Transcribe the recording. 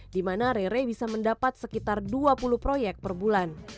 di mana rere bisa mendapat sekitar dua puluh proyek per bulan